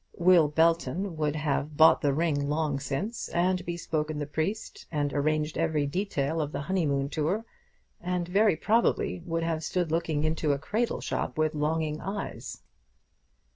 Will Belton would have bought the ring long since, and bespoken the priest, and arranged every detail of the honeymoon tour, and very probably would have stood looking into a cradle shop with longing eyes.